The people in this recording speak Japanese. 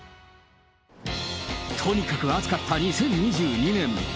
とにかく暑かった２０２２年。